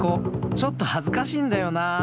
ちょっと恥ずかしいんだよな。